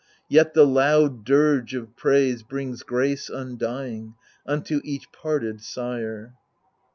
Yet the loud dirge of praise brings grace undying Unto each parted sire.